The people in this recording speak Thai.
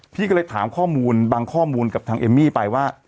พี่ก็เลยถามข้อมูลบางข้อมูลกับทางเอมมี่ไปว่า